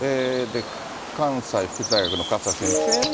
関西福祉大学の勝田先生も。